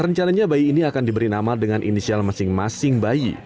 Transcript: rencananya bayi ini akan diberi nama dengan inisial masing masing bayi